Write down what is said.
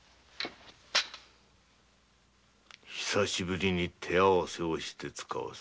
久しぶりに手合わせをしてつかわす。